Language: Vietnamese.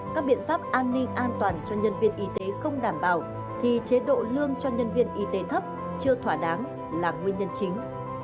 các biện pháp an ninh an toàn cho nhân viên y tế không đảm bảo thì chế độ lương cho nhân viên y tế thấp chưa thỏa đáng là nguyên nhân chính